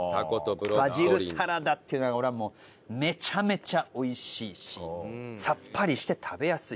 バジルサラダっていうのが俺はもうめちゃめちゃ美味しいしさっぱりして食べやすい。